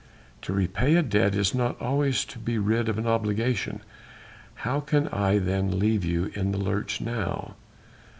"To repay a debt is not always to be rid of an obligation. How can I then leave you in the lurch now?"